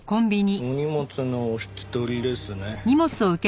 お荷物のお引き取りですね。